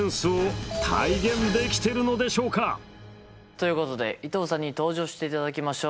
ということで伊藤さんに登場していただきましょう。